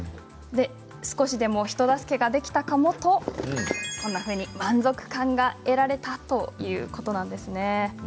少しでも人助けができたかもと満足感が得られたということなんです。